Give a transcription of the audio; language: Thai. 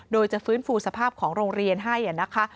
โดยจะฟื้นฟูสภาพของโรงเรียนให้นะคะ